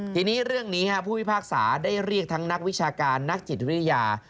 ทีนี้เรื่องนี้ผู้พิพากษาได้เรียกทั้งนักวิชาการนักจิตวิทยา